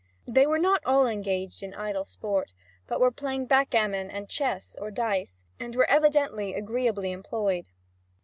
They were not all engaged in idle sport, but were playing backgammon and chess or dice, and were evidently agreeably employed.